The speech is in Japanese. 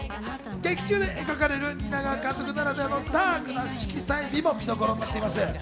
劇中で描かれる蜷川監督ならではのダークな色彩美も見どころになっています。